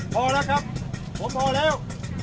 พอแล้วครับผมพอแล้ว